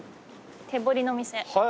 手彫りの店。